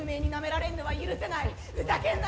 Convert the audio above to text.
ふざけんな！